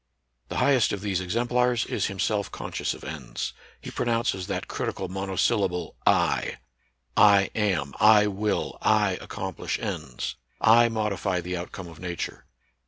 The highest of these exemplars is himself conscious of ends. He pronounces that critical monosyllable /. I am, I will, I accomplish ends. I modify the outcome of Nature.